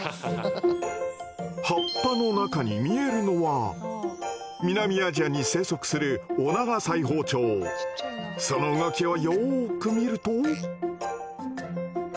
葉っぱの中に見えるのは南アジアに生息するその動きをよく見ると。